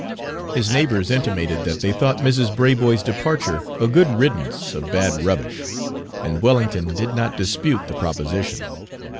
His neighbors intimated that they thought Mrs. Braboy's Page 260 departure a good riddance of bad rubbish, and Wellington did not dispute the proposition.